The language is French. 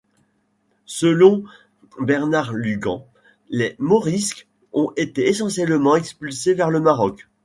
Selon Bernard Lugan, les Morisques ont été essentiellement expulsés vers le Maroc.